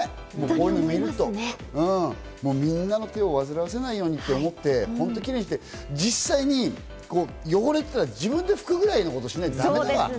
こういうの見るとみんなの手をわずらわせないようにと思って、キレイにして、実際に汚れていたら自分で拭くくらいのことしないとだめだわ。